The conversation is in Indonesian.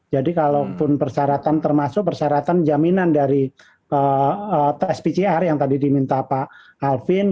jadi kalau pun persyaratan termasuk persyaratan jaminan dari spcr yang tadi diminta pak alvin